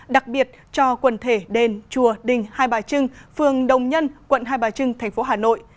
đặc biệt cho quần thể đền chùa đình hai bà trưng phường đồng nhân quận hai bà trưng thành phố hà nội